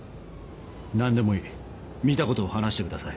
何でもいい見たことを話してください。